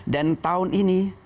dan tahun ini